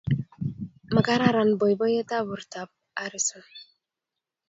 Magararan boiboiyetab bortab Harrison